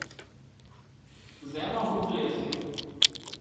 زين مان هُوٿ لي سي